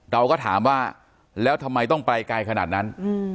เราก็ถามว่าแล้วทำไมต้องไปไกลขนาดนั้น